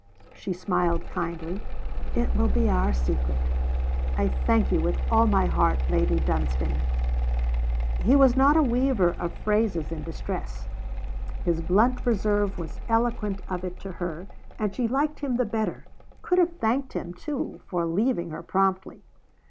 She smiled kindly. 'It will be our secret.' 'I thank you with all my heart, Lady Dunstane.' He was not a weaver of phrases in distress. His blunt reserve was eloquent of it to her, and she liked him the better; could have thanked him, too, for leaving her promptly.